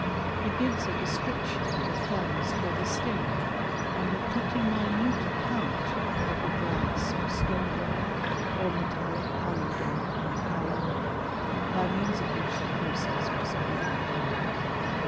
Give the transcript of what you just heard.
He gives a description of a furnace for distilling, and a pretty minute account of the glass or stone ware, or metallic aludel and alembic, by means of which the process was conducted.